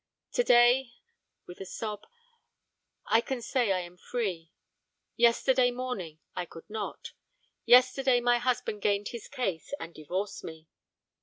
Today (with a sob), I can say I am free, yesterday morning I could not. Yesterday my husband gained his case and divorced me!'